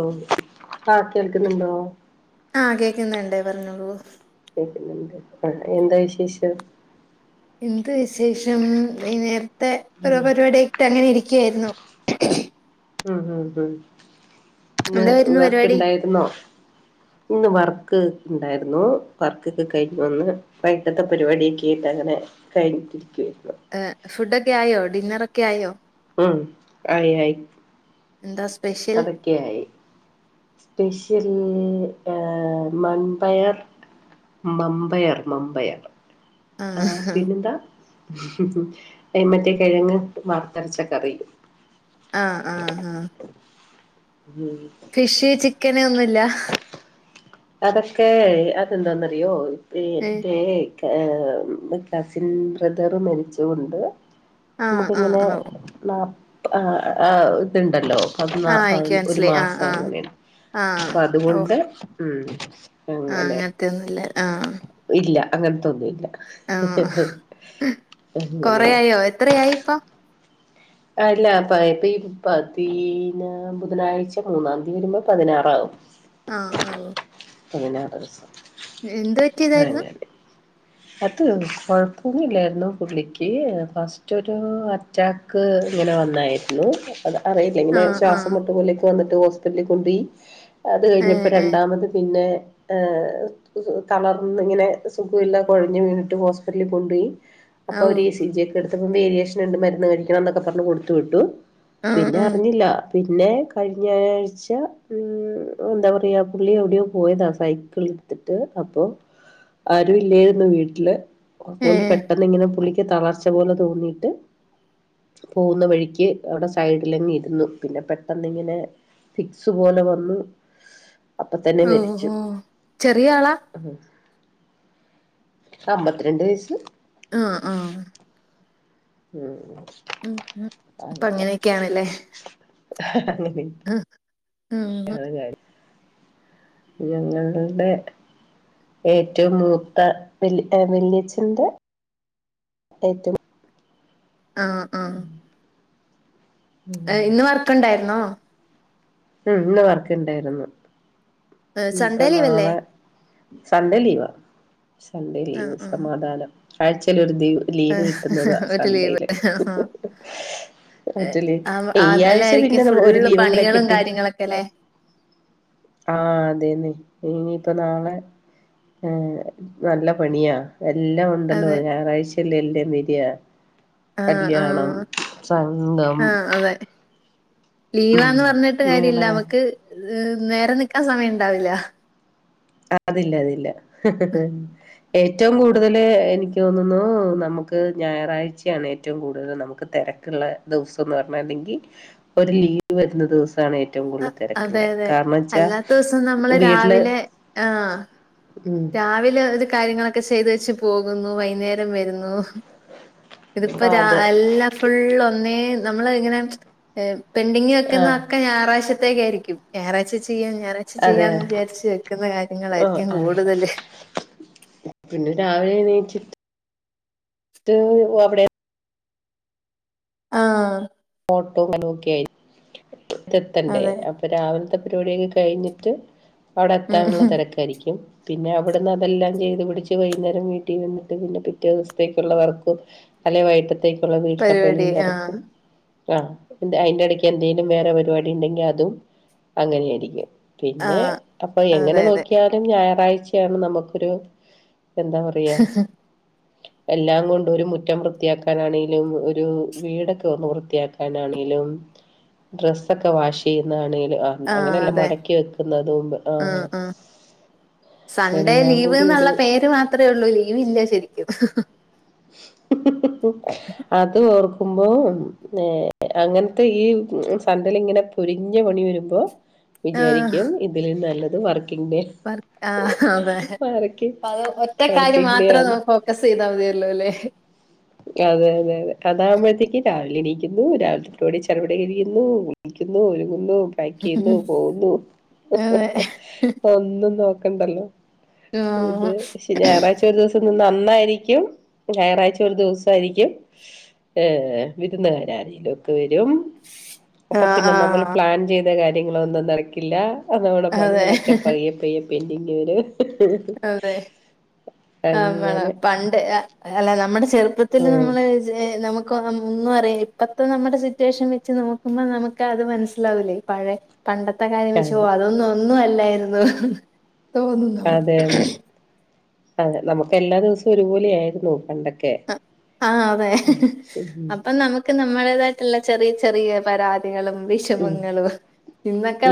ഓ ആ കേൾക്കുന്നുണ്ടോ? ആഹ് കേക്കുന്നിണ്ട് പറഞ്ഞോളൂ. കേക്കുന്നിണ്ട് ആ എന്താ വിശേഷം. എന്ത് വിശേഷം വൈനേരത്തെ ഉം ഓരോ പരിപാടിയായിട്ട് അങ്ങനെ ഇരിക്കായിരുന്നു. മ് മ് മ് ഇന്ന് എന്തായിരുന്നു പരിപാടി വർക്ക്ഇണ്ടായിരുന്നോ ഇന്ന് വർക്ക് ഇണ്ടായിരുന്നു വർക്ക്ക്കെ കഴിഞ്ഞു വന്ന്. വൈട്ടത്തെ പരിവാടിയൊക്കെയായിട്ട് അങ്ങനെ കഴിഞ്ഞിട്ടിരിക്കുവായിരുന്ന്. ആഹ് ഫുഡ്ക്കെ ആയോ ഡിന്നറ്ക്കെ ആയോ? ഉം ആയി ആയി എന്താ സ്പെഷ്യൽ. ക്യായി സ്പെഷ്യൽ ഏഹ് മൺപയർ. മമ്പയർ മമ്പയർ. ആഹ് പിന്നെന്താ ഏഹ് മറ്റേ കിഴങ്ങ് വറത്തരച്ച കറീം ആഹ് ആഹ് ആഹ് ഉം ഫിഷ് ചിക്കന് ഒന്നുല്ലാഹ് അതൊക്കെ അതെന്താന്നറിയോ ഇപ്പേ ഏഹ് തേ കേഹ് കസിൻ ബ്രദറ് മരിച്ചോണ്ട് ആഹ് ആഹ് നമുക്കിങ്ങനെ ആഹ് ഓഹ് നാ ആഹ് ആഹ് ഇതുണ്ടല്ലോ പതിനാ ആഹ് എനിക്ക് പതി ഒരു മനസ്സിലായി ആഹ് ആഹ് മാസങ്ങനെണ്. ആഹ് ഓഹ് അപ്പതുകൊണ്ട് ഉം ആഹ് അങ്ങനെ അങ്ങനത്തെയൊന്നുല്ല ആഹ് ഇല്ല അങ്ങൻത്തൊന്നുല്ല ആഹ് അങ്ങനെയാ ഓ എത്രയായിപ്പ ആഹ് ഇല്ലാപ്പ ഇപ്പ ഈ പതിന ബുധനാഴ്ച മൂന്നാന്തി വരുമ്പോ പതിനാറാവും ആഹ് ആഹ് ഓഹ് പതിനാറ് ദിവസം എന്തുപറ്റിയതായിരുന്നു അങ്ങനെ അത് കുഴപ്പൊന്നുല്ലായിരുന്നു പുള്ളിക്ക് ഫസ്‌റ്റൊരു അറ്റാക് ക്ക് ഇങ്ങനെ വന്നായിരുന്നു അത് അറിയില്ലിങ്ങനെ ആഹ് ആഹ് ശ്വാസം മുട്ട് പോലെയൊക്കെ വന്നിട്ട് ഹോസ്പിറ്റലിൽ കൊണ്ടോയി അത് ഏഹ് കഴിഞ്ഞപ്പ ഏഹ് രണ്ടാമത് പിന്നെ ഏഹ് തളർന്നിങ്ങനെ സുഖവില്ല കുഴഞ്ഞ് വീണിട്ട് ഹോസ്പിറ്റലി കൊണ്ടോയി അപ്പൊ ഓഹ് അവര് ഇ സി ജി ഇതെടുത്തപ്പം വേരിയേഷനിണ്ട് മരുന്ന് കഴിക്കണംന്നൊക്കെ പറഞ്ഞ് കൊടുത്തുവിട്ടു ആഹ് പിന്നെ ആഹ് അറിഞ്ഞില്ല പിന്നെ കഴിഞ്ഞാഴ്ച ഉം എന്താ പറയാ പുള്ളി എവിടെയോ പോയതാ സൈക്കിൾ ത്തിട്ട് അപ്പൊ ആരുഇല്ലായി ന്ന് വീട്ടില് ഏ അപ്പോണ്ട് പെട്ടന്നിങ്ങനെ പുള്ളിക്ക് തളർച്ച പോലെ തോന്നീട്ട് പോവുന്ന വഴിക്ക് അവിടെ സൈഡിലങ്ങിരുന്നു പിന്നെ പെട്ടെന്നിങ്ങനെ ഫിക്സ് പോലെ വന്നു അപ്പ തന്നെ ഓ മരിച്ചു ഓ ചെറിയ ആളാ അമ്പത്തിരണ്ട് വയസ്സ് ആഹ് ആഹ് ഉം ഉം ഉം അപ്പൊ അങ്ങനെ അങ്ങനെയൊക്കെയാണല്ലേ ആഹ് ഹ് ആഹാഹ് ഞങ്ങൾടെ ഏറ്റോം മൂത്ത വല് ഏഹ് വല്ല്യച്ചന്റെ ഏറ്റവും ആഹ് ഉം ഏഹ് ഇന്ന് വർക്കുണ്ടായിരുന്നോ? ഉം ഇന്ന് വർക്കിണ്ടായിരുന്നു സൺഡേ ഇനിപ്പം ലീവല്ലേ നാളെ സൺഡേ ലീവാ സൺഡേ ആ ലീവ് ആ സമാധാനം ആഴ്ച്ചേലൊരു ലീവ് ഏ, ലീവ് കിട്ടുന്നതാ ഒരു ലീവ് സൺഡേയില് പറ്റീലി, ആ ഈയാഴ്ച അതിലായിരിക്കും പിന്നെ നമ്മു ഒരു ഫുള്ള് ലീവുംകൂടി പണികളും കിട്ടി. കാര്യങ്ങളൊക്കെ അല്ലേ ആഹ്, അതേന്നെ ഇനിയിപ്പംനാളെ എഹ് നല്ല പണിയാ എല്ലാം ഉണ്ടല്ലോ അതെ ഞായറാഴ്ചയല്ലേയെല്ലാം തീരുക ആ ആ കല്യാണം, സംഘം ഉം ലീവാന്നുപറഞ്ഞിട്ടുകാര്യമില്ല. അങ്ങനെയുള്ള കാര്യം നമുക്കുനേരെ നിൽക്കാൻ സമയമുണ്ടാവില്ല അതില്ല, അതില്ല ഏറ്റവും കൂടുതല് എനിക്കുതോന്നുന്നു. നമുക്കുഞായറാഴ്ച്ചയാണേറ്റവും കൂടുതല് നമുക്കുതെരക്ക് കൊള്ളെ ദിവസമെന്നു പറഞ്ഞാല്ലെങ്കിൽ ഒരു ലീവുവരുന്ന ദിവസമാണേ റ്റവും കൂടുതൽ അ- അതെ തിരക്കുള്ളെ അതെ കാരണംച്ചാവീട്ടില് ആഹ് ഉം രാവിലെ ഓരോ കാര്യങ്ങളൊക്കെ ചെയ്തേച്ചുപോകുന്നു. വൈകുന്നേരം വരുന്നു ഇതിപ്പൊ ആ രാ... അതെ എല്ലാം ഫുള്ള്, ഒന്നേന്നു നമ്മളിങ്ങനെ പെന്റിങ്ങു ആ വെക്കുന്ന തൊക്കെ ഞായറാഴ്ച്ചത്തേക്കായിരിക്കും. ഞായറാഴ്ച്ച ചെയ്യാം, ഞായറാ ഴ്ച്ച അതെ ചെയ്യാന്നുവിചാരിച്ചു ആ വെക്കുന്നകാര്യങ്ങളായിരിക്കും ആ കൂടുതല് പിന്നെ രാവിലെയെണീറ്റിട്ട് [inaudible] അവിടേം ആഹ് ഓട്ടോ അങ്ങനെയൊക്കയായി ഇങ്ങെത്തണ്ടേ അതെ. ഇപ്പൊ രാവിലത്തെ പരിപാടിയൊക്കെ കഴിഞ്ഞിട്ട് അ വിടെയെത്താനുള്ള ഉം തെരക്കായിരിക്കും പിന്നെ അവിടുന്നതെല്ലാം ചെയ്തു പിടിച്ചുവൈകുന്നേരം വീട്ടിൽ വന്നിട്ട് പിന്നെ പിറ്റേദിവസത്തേക്കുള്ള വർക്ക് അല്ലേ വൈകിട്ടത്തേക്കുള്ള പരിപാടി വീട്ടിലെപണിയും ആഹ് തെരക്കും ആഹ്, അതിന്റെയിടയ്ക്ക് എന്തേ ലും വേറെപരിപാടിയുണ്ടെങ്കിഅ തും അങ്ങനെയാരിക്കും പിന്നെ ആഹ് അപ്പൊ, എങ്ങനെ അതെ അതെ നോക്കിയാലുംഞായറാഴ്ച്ചയാണ് നമുക്കൊരു എന്താ പറയാ എല്ലാംകൊണ്ടും, ഒരു മുറ്റം വൃത്തിയാക്കാനാണെങ്കിലും ഒരു വീടൊക്കെയൊന്നു വൃത്തിയാ എന്നാണേലും, ഡ്രസൊക്കെ വാഷുചെയ്യുന്നതാണേലും ആഹ് അങ്ങനെയല്ല മടക്കി വെക്കുന്നതുകൊണ്ട് ആഹ് സൺഡേ, കൂടി ഒരു ലീവെന്നുള്ള പേരുമാത്രമേയുള്ളൂ. ലീവില്ല ശെ രിക്കും അതോർക്കുമ്പോ ഏഹ്.. അങ്ങനത്തെയീ സൺഡേയിലിങ്ങനെ പൊരിഞ്ഞ പണി വരുമ്പൊ വിചാരിക്കും ഇതിലുംനല്ലത് വർക്കിംഗ്ഡേ വർ, ആഹ്, അതെ അതൊരൊറ്റക്കാര്യം വർക്കിംഗ് ഡേ മാത്രം ആണ് നോക്കു ഗസ്സ് ചെയ്താൽ മതിയല്ലോല്ലേ അതെ, അതെ, അതെ അതാകുമ്പോഴ ത്തേക്കു രാവിലെയെണീക്കുന്നു, രാവിലത്തെ കൂടി ചടുപടെയരിയുന്നു കുളിക്കുന്നു, ഒരുങ്ങുന്നു പായ്ക്കുചെയ്യുന്നു, പോവുന്നു, അതെ ഒന്നും നോക്കണ്ടല്ലൊ ഉം. ഇതുപക്ഷെ ഞായറാഴ്ചയൊരു ദിവസം നിന്നാലന്നായിരിക്കും ഞായറാഴ്ച്ച ഒരു ദിവസമായിരിക്കും ഏഹ്.. വിരുന്നുകാര് ആരേലുമൊക്കെ വരും. ആ അപ്പൊ പിന്നെ ആ നമ്മളു പ്ലാൻചെയ്തകാര്യങ്ങളൊന്നും നടക്കില്ല. നമ്മുടെ അതെ പണികളൊക്കെ പയ്യെപ്പയ്യെ പെന്റിങ്ങ് വരും അതെ, നമ്മള് അങ്ങനെ പണ്ട് അല്ല നമ്മുടെ ചെറുപ്പത്തിൽ ഉം. നമ്മള് നമുക്കൊന്നും അറിയാം, ഇപ്പളത്തെ നമ്മുടെ സിറ്റുവേഷൻ വെച്ചുനോക്കുമ്പോൾ നമുക്കതുമനസ്സിലാവില്ലേ പഴയ പണ്ടത്തെകാര്യം വെച്ചു, അതെ അതൊന്നും ഒന്നുമല്ലായിരുന്നു, തോന്നുന്നു അതെ, അതെ നമുക്കെല്ലാ ദിവസവും ഒരുപോലെ ആയിരുന്നു പണ്ടൊക്കെ ആഹ്, അതെ ഉം അപ്പം നമു നമുക്കു, നമ്മുടേതായിട്ടുള്ള ചെറിയ ചെറിയ ഉം പരാതികളുംവിഷമങ്ങളും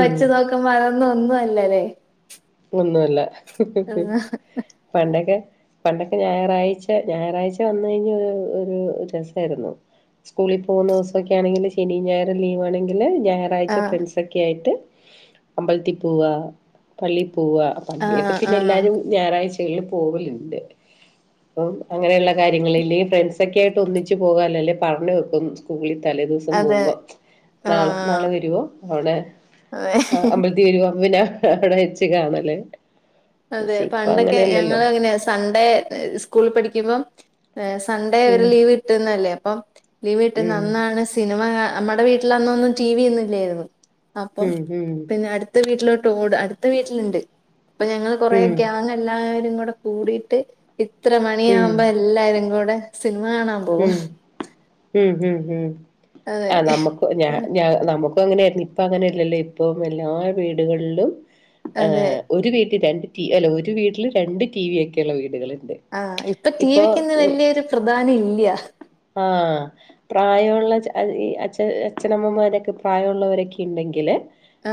ഉം നോക്കു മ്പൊ വളർന്നതൊന്നുമല്ല അല്ലെ ഒന്നുമല്ല പണ്ടൊക്കെ പണ്ടൊക്കെ ഞായറാഴ്ച്ച ഞായറാഴ്ച്ച വന്ന്‌ കഴിഞ്ഞ ഒരു രസായിരുന്നു സ്കൂളി പോവുന്ന ദ്‌വ്‌സൊക്കെ ആണെങ്കില് ശെനിം ഞായറും ലീവാണെങ്കില് ഞാ റാഴ്ച്ച ഫ്രണ്ട്സൊക്കെ ആയിട്ട് അമ്പൽത്തിപ്പാേവാ പള്ളീപ്പാേവാ പള്ളിയിലൊക്കെ ആഹ് പിന്നെ ആഹ് എല്ലാരും ഞാറാഴ്ച്ചകളില് പോവല്ണ്ട് അപ്പം അങ്ങനെയ്ള്ള കാര്യങ്ങളില് ഫ്രണ്ട്സൊക്കേയ്ട്ട് ഒന്നിച്ച് പോകാലല്ലേ പർഞ്ഞ് വെക്കും സ്കൂളി തലേ ദ്‌വ്സം അതെ പോകുമ്പം നാളെ ആഹ് നാളെ വര്വോ അവ്ടെ അതെ ആഹ് അമ്പൽ ത്തി വരു അന്ന് ഞാ അവ്ടെ വെച്ച് കാണല് അതെ പണ്ടൊക്കെ ഞങ്ങളും അങ്ങെനെയാ സൺഡേ സ്കൂളി പഠിയ്ക്കുമ്പം ഏഹ് സൺഡേ ഒര് ഉം ലീവ് കിട്ട്ന്നല്ലേ അപ്പം ലീവ് കിട്ട്ന്ന ഉം അന്നാണ് സ് സിന്‌മ ക അമ്മെടെ വീട്ടിലന്നൊന്നും ടിവി ഒന്നും ഇല്ലായ്ര്ന്നു അപ്പം ഉം ഉം പിന്നെ അട് ത്തെ വീട്ടിലോട്ടോട് അട്ത്ത വീട്ട്ല്ണ്ട് പ്പ ഞങ്ങള് കൊറേ ഉം ഗാങ്ങെല്ലാവരും കൂടെ കൂടീട്ട് ഇത്ര ഉം മണിയാകുമ്പം എല്ലാരും കൂടെ സിൻമ കാണാം ഉം ഉം ഉം ഉം അതെ ആഹ് നമുക്ക് ഞ ആ ഞ നമു പ്പ അങ്ങനെയായ്ര്ന്നു ഇപ്പ അങ്ങനെയെല്ലല്ലോ ഇപ്പം എല്ലാ വീട്കൾലും അതെ. ഏഹ് ഒരു വീട്ടി രണ്ട് ടി അല്ല ഒരു വീട്ട്ല് രണ്ട് ടീവി ഒക്കെയ്ള്ള വീട്കള്ണ്ട് ആഹ് ഇപ്പ ടീവിക്കാെന്നും വെല്യൊരു പ്രധാനം ഇല്ല്യാ ആഹ് പ്രായമുള്ള ച്ച ഇ അച്ഛ അച്ഛനമ്മമാരൊക്കെ പ്രായമുള്ളവെരെക്കെ ഇണ്ടെങ്കില്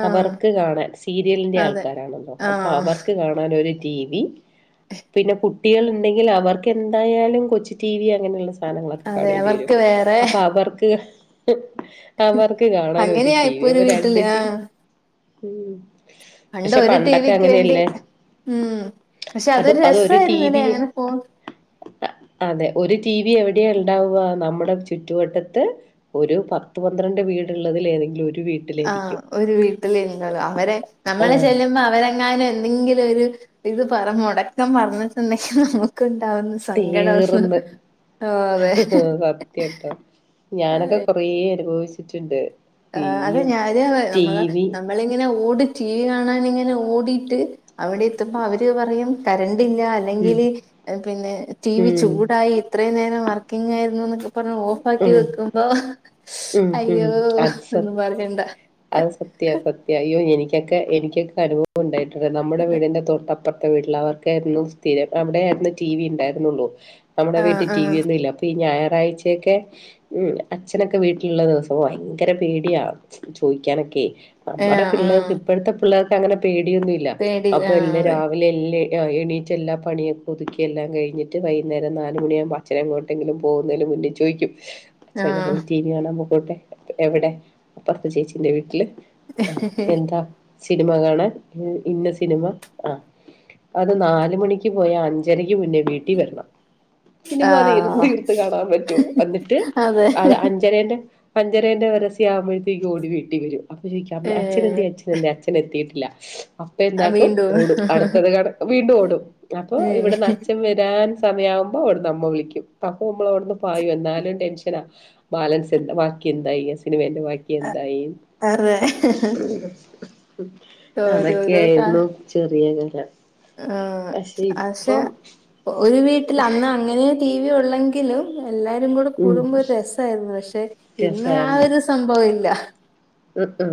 ആഹ്. അവർക്ക് കാണാൻ സീരിയൽന്റെ അതെ. ആൾക്കാരാണല്ലോ അപ്പൊ ആഹ്. അവർക്ക് കാണാനൊര് ടീവി പിന്നെ കുട്ടികള്ണ്ടെങ്കിൽ അവർക്ക് എന്തായാലും കൊച്ചു ടീവി അങ്ങനെയുള്ള സാനങ്ങ്ള ക്കെ അതെ കാണേണ്ടി വെരും അവർക്ക് വേറെ അപ്പ അവർക്ക് അവർക്ക് കാണാനാെര് അങ്ങനെയാ റ്റീവി ഇപ്പൊ ഒരു അപ്പ രണ്ട് വീട്ടില് റ്റി ആഹ്. പണ്ട് പഷെ ഒരു പണ്ടക്കെ ടിവിക്ക് വേണ്ടി അങ്ങനെയെല്ലാ ഉം പക്ഷെ അതൊര് രസായ്ര്ന്നുലേ അങ്ങെനെ പോൺ അഹ് അതെ ഒരു റ്റീവി എവിടെയാ ഇണ്ടാവാ നമ്മ്ടെ ചുറ്റുവട്ടെത്ത് ഒരു പത്ത് പന്ത്രണ്ട് വീട്ള്ളെതിൽ ഏതെങ്കിലും ഒരു വീ ആഹ് ഒരു വീട്ടില് ഇര്ന്നോളു അവരെ നമ്മള് ആഹ് ചെല്ല്മ്പോ അവരെങ്ങാനും എന്തെങ്കിലാെരു ഇത് പറ മാെടക്കം പർഞ്ഞ്ട്ട്ണ്ടെങ്കി നമ്ക്ക്ണ്ടാവ്ന്ന തീർന്ന് ആഹ് സത്യാട്ടോ അതെ. ഞാനൊക്കെ കൊ റേ അനുഭവിച്ച്ട്ട്ണ്ട് ആഹ് അത് ഞാന് നമ്മള് നമ്മളിങ്ങെനെ ഓടി ടീവി കാണാനിങ്ങെനെ ഓടീട്ട് അവ്ടെ എത്തുമ്പം അവര് പറയും കരണ്ട്ല്ലാ ഉം അല്ലെങ്കില് പിന്നെ ടീ വി ഉം ചൂടായി ഇത്രേം നേരം വർക്കിങ്ങായ്ര്ന്നുന്നൊക്കെ പർഞ്ഞ് ഓഫാക്കി ഉം വെക്ക്മ്പോ ഉം ഉം അയ്യോ അത് സ ഒന്നും പറയണ്ട അത് സത്യാ സത്യാ അയ്യോ എനിക്കക്കെ എനിക്കൊക്കെ അനുഭവ ഉണ്ടായ്ട്ടുണ്ട് നമ്മുടെ വീടിന്റെ തൊട്ടപ്പർത്തെ വീട്ടിലവർ ക്കായ്ര്ന്നു സ്ഥിരം അവ്ടെ ആയ്ര്ന്നു റ്റീ വി ഇണ്ടായ്ര്ന്നാെള്ളു നമ്മുടെ ആഹ് വീട്ടി ആഹ് ടീവിയൊന്നു ഇല്ലാ അപ്പൊ ഈ ഞായറാഴ്ച എക്കെ ഉം അച്ഛനൊക്കെ വീട്ട്ല്ള്ള ദ്‌വ്സം വയ്ങ്കെര പേടിയാ ചോയ്ക്കാനൊക്കെ നമ്മടെ ഏഹ് ആഹ് പിള്ളേർക്ക് ഇപ്പഴത്തെ പിള്ളേർക്കങ്ങെനെ പേടിയൊന്നും ഇ ഇല്ല തേടി അപ്പൊ ആഹ് എന്റെ അതെ രാ വ്‌ലെ ഇല്ലേ ആഹ് എണീറ്റ് എല്ലാ പണിയൊക്കെ ഒതുക്കി എല്ലാം കയ്ഞ്ഞ്ട്ട് വൈക്ന്നേരം നാല്മണി ആവ്മ്പം അ ച്ഛനെങ്ങോട്ടെങ്കിലും പോകുന്നേന് മുന്നിൽ ചോയ്ക്കും അച്ഛാ ആഹ് ഞങ്ങള് ടീ വി കാണാം പൊക്കോട്ടെ എവടെ അപ്പർത്തെ ചേച്ചിന്റെ വീട്ട്ല് ആഹ് എന്താ സിന്‌മ കാണാൻ ഇന്ന സിന്‌മാ ആഹ് അത് നാല് മണിക്ക് പോയാ അഞ്ചരയ്ക്ക് മുന്നേ വീട്ടി വരണം സിനിമ അത് ഏത് ആഹ് തീർത്ത് കാണാൻ പറ്റുമോ അന്നിട്ട് അതെ അത് അഞ്ചരേന്റെ അഞ്ചരേന്റെ പരസ്യം ആവുമ്പോഴത്തേക്ക് ഓടി വീട്ടി വരും അപ്പ ചോയിക്കും അമ്മേ ഏഹ് അച്ഛനെന്തിയെ അച്ഛനെന്തിയെ അച്ഛനെത്തിയിട്ടില്ല അപ്പ എന്താക്കും വീണ്ടും ഓടും അടുത്തത് കാണാൻ വീണ്ടും ഓടും അപ്പൊ ഏഹ് ഇവിടെന്നച്ചൻ വരാൻ സമയയാവുമ്പോ അവിടുന്ന് അമ്മ വിളിക്കും അപ്പൊ നമ്മൾ അവിടുന്ന് പായു എന്നാലും ടെൻഷനാ ബാലൻസ്ണ്ടാ ബാക്കിഎന്തായേ ഇതിനു വേണ്ട ബാക്കി എന്തായി അതെ ഉം ഓരോരോ കാ അതൊക്കെയായിരുന്നു ചെറിയ കഥ ആഹ് പക്ഷെ ഒരു വീട്ടില് അന്ന് അങ്ങനെ ടി വി ഉള്ളെങ്കിലും എല്ലാരും കൂടെ ഉം കൂടുമ്പോ ഒരു രസയിരുന്നു പക്ഷെ ഇന്ന് ആ രസായിരുന്നു ഒരു സംഭവം ഇല്ല ഉം ഉം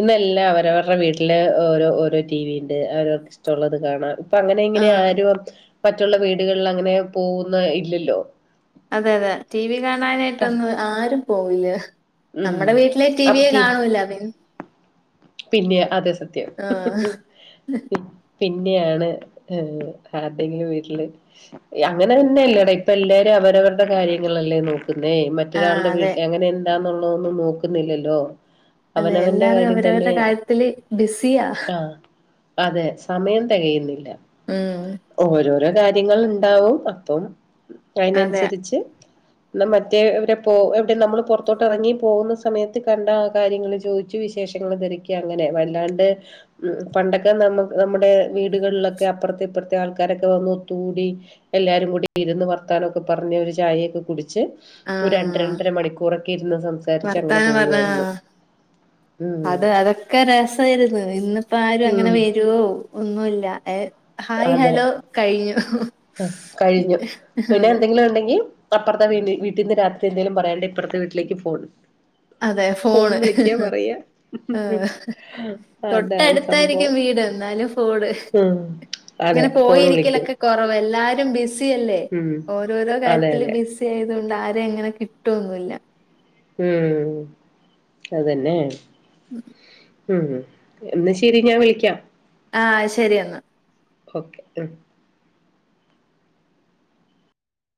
ഇന്നെല്ലാ അവരവരുടെ വീട്ടില് ഓരോ ഓരോ ടി വിണ്ട് അവരവർക്ക് ഇഷ്ടഉള്ളത് കാണാം ഇപ്പ അങ്ങനെ ഇങ്ങനെ ആഹ് ആരും മറ്റുള്ള വീടുകളില് അങ്ങനെ പോകുന്നെഇല്ലല്ലോ അതെ അതെ ടി വി കാണാനായിട്ടൊന്നും ആരും പോവില്ല ഉം നമ്മുടെ വീട്ടിലെ ടിവിയെ കാണൂല്ല പി പിന്നെയ അതെ സത്യം ആഹ് ഉം പിന്നെയാണ് ആഹ് ആർടെങ്കിലും വീട്ടില് അങ്ങനെ തന്നെയല്ലേടാ ഇപ്പ എല്ലാരും അവരവരുടെ കാര്യങ്ങളല്ലേ നോക്കുന്നേ മ ആഹ് മറ്റൊരാളുടെ അതെ വീട്ടി എങ്ങനെ എന്താന്നുള്ളതൊന്നും നോക്കുന്നില്ലല്ലോ അതെ അവനവന്റെ എല്ലാരും കാര്യം അവരവരുടെ തന്നെ കാര്യത്തില് ബിസിയാ ആഹ് അതെ സമയം തെകയുന്നില്ല ഉം ഓരോ ഓരോ കാര്യങ്ങളുണ്ടാവും അപ്പം അതെ അയിനനുസരിച്ച് ഇന്നാ മറ്റേ ഇവരെ പോ എവിടെ നമ്മൾ പുറത്തോട്ട് എറങ്ങി പോകുന്ന സമയത്ത് കണ്ട കാര്യങ്ങൾ ചോദിച്ചു വിശേഷ ങ്ങൾ തെരാക്കിയ അങ്ങനെ വല്ലാണ്ട് ഉം പണ്ടൊക്കെ നമ്മക് നമ്മുടെ വീടുകളിലൊക്കെ അപ്പുറത്തെ ഇപ്പുറത്തെ ആൾക്കാരൊക്കെ വന്ന് കൂടി എല്ലാരും കൂടി ഇരുന്ന് വർത്താനൊക്കെ പറഞ് ഒരു ചായയൊക്കെ കുടിച്ച് ഒരു രണ്ട് ആഹ് രണ്ടര മണിക്കൂറൊക്കെ ഇരുന്ന് സംസാരിച്ച് അങ്ങനെ വർത്താനം പറഞ്ഞ പോവുവായിരുന്നു ആഹ് അത് അതൊക്കെ രസവായിരുന്നു ഇന്നിപ്പോ ആരും ഉം അങ്ങനെ വരുവോ ഒന്നുല്ല ഏ ഹായ് ഹലോ കഴിഞ്ഞു ആഹ് കഴിഞ്ഞു പിന്നെ അതെ എന്തെങ്കിലുണ്ടെങ്കി അപ്പറത്തെ വീടി വീട്ടിന്ന് രാത്രി എന്തെലും പറയാണ്ടെ ഇപ്പുറത്തെ വീട്ടിലേക്ക് ഫോൺ അതെ ഫോൺ ഫോണ് വിളിക്യാ പറയാ അതാണ് സംഭവം അടുത്തായിരിക്കും വീട് എന്നാലും ഫോണ് ഉം അതെ അങ്ങനെ ഫോൺ വിളിക്കൂ പോയിരിക്കലൊക്കെ കൊറവ് എല്ലാരും ബിസി അല്ലേ ഉം ഓരോരോ അതെ കാര്യത്തില് അതെ ബിസി ആയതുകൊണ്ട് ആരെ അങ്ങനെ കിട്ടുവൊന്നുഇല്ല ഉം അതന്നെ ഉം ഉം എന്ന ശെരി ഞാൻ വിളിക്കാം ആഹ് ശരി എന്ന ഓക്കെ ഉം